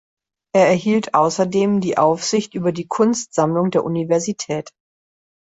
Er erhielt außerdem die Aufsicht über die Kunstsammlungen der Universität.